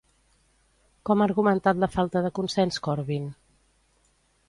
Com ha argumentat la falta de consens Corbyn?